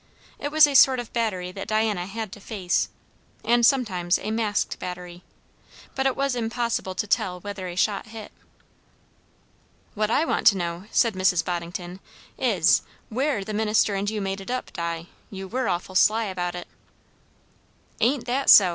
It was a sort of battery that Diana had to face, and sometimes a masked battery; but it was impossible to tell whether a shot hit. "What I want to know," said Mrs. Boddington, "is, where the minister and you made it up, Di. You were awful sly about it!" "Ain't that so?"